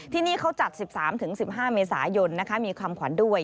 ที่นี่เขาจัด๑๓๑๕เมษายนมีความขวัญด้วย